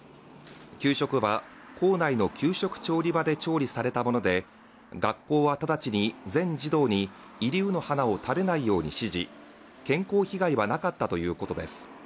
給食は校内の給食調理場で調理されたもので学校は直ちに全児童にいり卯の花を食べないように指示健康被害はなかったということです